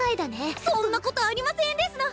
そんなことありませんですの！